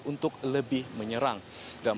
untuk lebih menyerang dalam